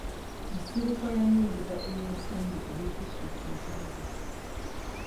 Nsibuko ya nnyingiza ey'ensimbi eri disitulikiti ekyaza.